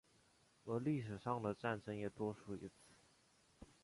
而历史上的战争也多属于此。